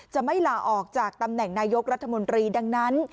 จะไม่ลาออกจากตำแหน่งนายกรัฐมนตรีดังนั้น